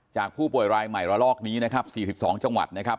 จากผู้ป่วยรายใหม่ระลอกนี้นะครับ๔๒จังหวัดนะครับ